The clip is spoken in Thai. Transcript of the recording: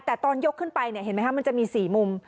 แต่ต้นยกขึ้นไปมันจะมี๔มุม